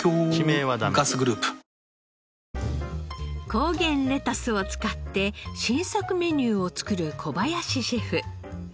高原レタスを使って新作メニューを作る小林シェフ。